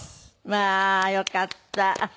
まあよかった。